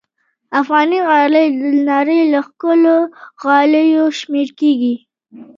افغاني غالۍ د نړۍ له ښکلو غالیو شمېرل کېږي.